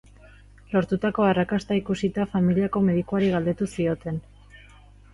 Lortutako arrakasta ikusita, familiako medikuari galdetu zioten.